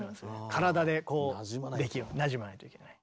体でこうなじまないといけない。